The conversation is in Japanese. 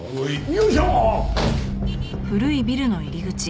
よいしょ。